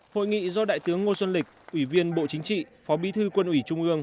hội nghị do đại tướng ngô xuân lịch ủy viên bộ chính trị phó bí thư quân ủy trung ương